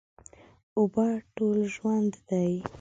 اوبه ټول ژوند دي.